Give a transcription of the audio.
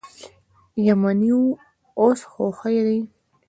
یمنی و اوس خو ښه دي.